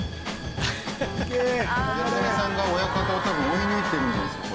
ギャル曽根さんが親方をたぶん追い抜いてるんじゃないですか？